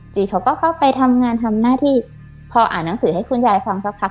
เขาก็เข้าไปทำงานทำหน้าที่พออ่านหนังสือให้คุณยายฟังสักพัก